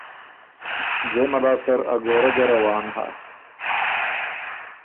ځېمه لاسته ر ا ګورۀ ګه روان هۀ۔